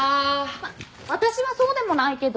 まあ私はそうでもないけど。